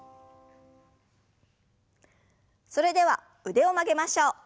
それでは腕を曲げましょう。